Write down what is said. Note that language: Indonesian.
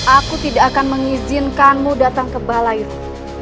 aku tidak akan mengizinkanmu datang ke balai itu